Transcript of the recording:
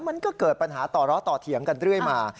มันก็เกิดปัญหาต่อล้อต่อเถียงกันเรื่อยมา